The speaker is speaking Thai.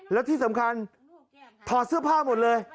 แล้วที่สำคัญถอดเสื้อผ้าหมดเลย